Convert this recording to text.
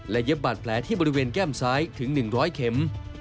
เย็บบาดแผลที่บริเวณแก้มซ้ายถึง๑๐๐เข็ม